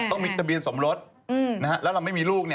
วันนี้ยังสมลสนะฮะเราไม่มีลูก